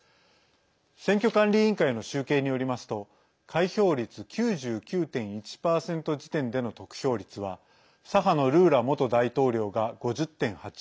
選挙管理委員会の集計によりますと開票率９９．１％時点での得票率は左派のルーラ元大統領が５０．８４％。